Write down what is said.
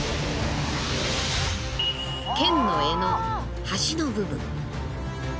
剣の柄の端の部分。